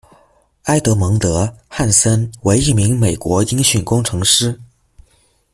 埃德蒙德·汉森为一位美国音讯工程师。